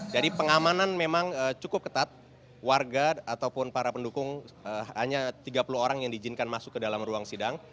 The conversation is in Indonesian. jadi pengamanan memang cukup ketat warga ataupun para pendukung hanya tiga puluh orang yang diizinkan masuk ke dalam ruang sidang